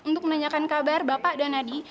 untuk menanyakan kabar bapak dan adi